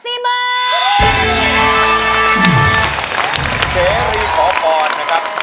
เซรีขอปอนด์ครับ